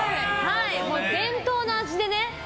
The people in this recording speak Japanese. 伝統の味でね。